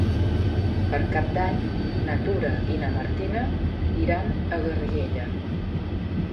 Per Cap d'Any na Tura i na Martina iran a Garriguella.